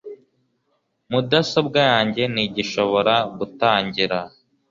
Mudasobwa yanjye ntigishobora gutangira